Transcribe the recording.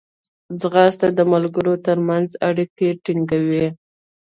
ځغاسته د ملګرو ترمنځ اړیکې ټینګوي